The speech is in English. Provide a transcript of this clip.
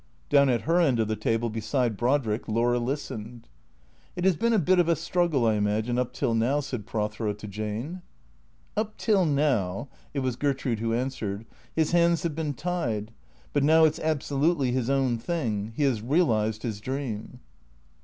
Down at her end of the table beside Brodrick, Laura listened. " It has been a bit of a struggle, I imagine, up till now," said Prothero to Jane. "Up till now" (it was Gertrude who answered) "his hands have been tied. But now it 's absolutely his own thing. He has realized his dream."